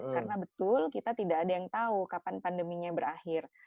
karena betul kita tidak ada yang tahu kapan pandeminya berakhir